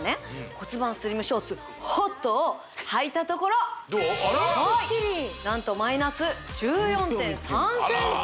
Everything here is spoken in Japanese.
骨盤スリムショーツＨＯＴをはいたところ何とマイナス１４．３ｃｍ